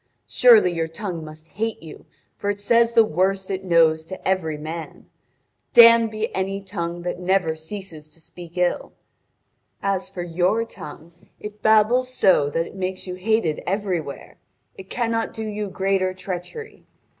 Surely your tongue must hate you, for it says the worst it knows to every man. Damned be any tongue that never ceases to speak ill! As for your tongue, it babbles so that it makes you hated everywhere. It cannot do you greater treachery.